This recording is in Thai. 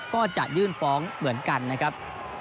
ก็จะยื่นฟ้องเหมือนกันนะครับ